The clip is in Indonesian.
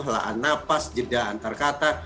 helahan napas jeda antarkata